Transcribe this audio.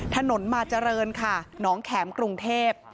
ถนนมาเจริญค่ะหนองแข็มกรุงเทพ